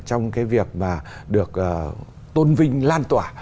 trong cái việc mà được tôn vinh lan tỏa